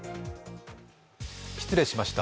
失礼しました。